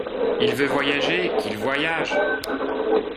Il veut voyager, qu’il voyage !